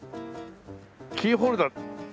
キーホルダー。